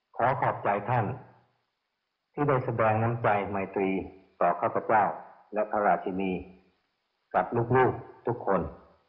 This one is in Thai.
ขอขอบใจท่านที่ได้แสดงน้ำใจไมตรีต่อข้าพเจ้าและพระราชินีกับลูกทุกคน